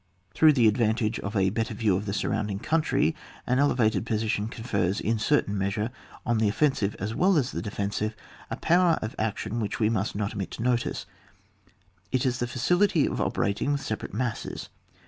Through the advantage of a better view of the surrounding country, an elevated position confers, in a certain measure, on the offensive as well as the defensive, a power of action which we must not omit to notice ; it is the facility of operating with separate masses.